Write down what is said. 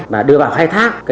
và đưa vào khai thác